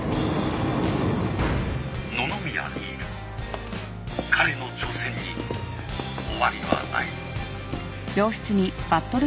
・野々宮新琉彼の挑戦に終わりはない。